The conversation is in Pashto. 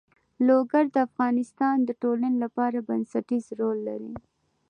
لوگر د افغانستان د ټولنې لپاره بنسټيز رول لري.